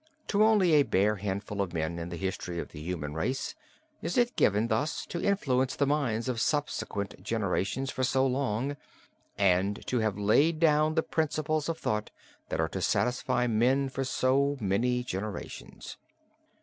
To only a bare handful of men in the history of the human race, is it given thus to influence the minds of subsequent generations for so long and to have laid down the principles of thought that are to satisfy men for so many generations.